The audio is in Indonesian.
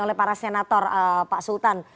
oleh para senator pak sultan